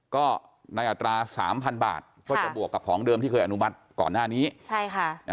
ก็ในอัตราสามพันบาทก็จะบวกกับของเดิมที่เคยอนุมัติก่อนหน้านี้ใช่ค่ะ